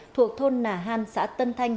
thuộc thôn nà han xã tân thanh